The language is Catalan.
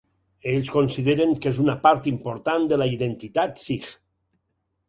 Ells consideren que és una part important de la identitat sikh.